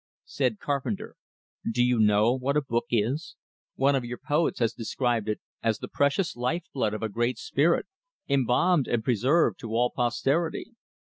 Said Carpenter: "Do you know what a book is? One of your poets has described it as the precious life blood of a great spirit, embalmed and preserved to all posterity."